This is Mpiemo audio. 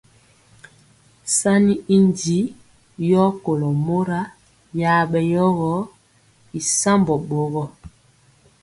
Sanni y ndi yɔ kolo mora ya bɛ yogɔ y sambɔ bɔɔgɔ.